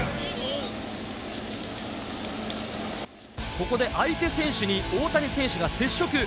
ここで相手選手に大谷選手が接触。